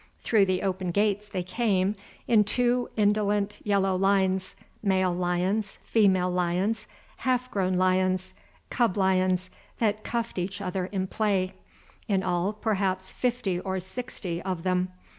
Through the open gates they came, in two indolent yellow lines, male lions, female lions, half grown lions, cub lions that cuffed each other in play, in all perhaps fifty or sixty of them.